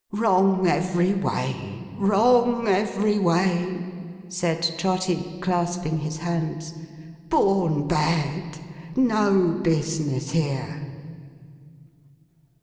'Wrong every way. Wrong every way!' said Trotty, clasping his hands. 'Born bad. No business here!